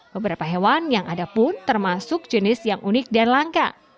beberapa hewan yang ada pun termasuk jenis yang unik dan langka